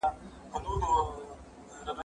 که وخت وي، سپينکۍ پرېولم!!